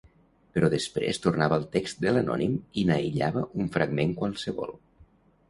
Però després tornava al text de l'anònim i n'aïllava un fragment qualsevol.